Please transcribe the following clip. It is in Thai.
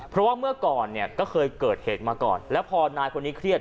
เพราะว่าเมื่อก่อนเนี่ยก็เคยเกิดเหตุมาก่อนแล้วพอนายคนนี้เครียด